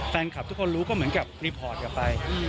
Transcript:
แฟนคลับทุกคนรู้ก็เหมือนกับรีพอร์ตกลับไป